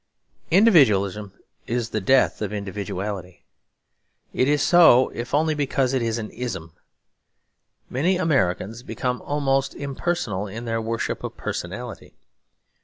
Individualism is the death of individuality. It is so, if only because it is an 'ism.' Many Americans become almost impersonal in their worship of personality.